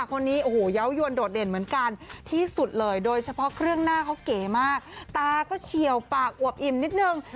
คนนี้โอ้โหเยาว์ยวนโดดเด่นเหมือนกันที่สุดเลยโดยเฉพาะเครื่องหน้าเขาเก๋มากตาก็เฉียวปากอวบอิ่มนิดนึง